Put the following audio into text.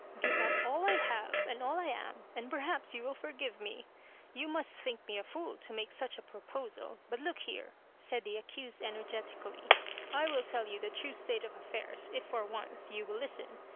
" Give up all I have and all I am, and perhaps you will fi>rgive me I Tou must think me a fool to make such a proposal ; but look here," 'said the accused, energ^tictdfy; '* I will tell you the true state of affairs, if for once you will listen.